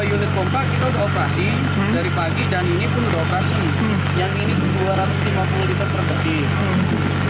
dua unit pompa itu operasi dari pagi dan ini pun lokasi yang ini dua ratus lima puluh liter per detik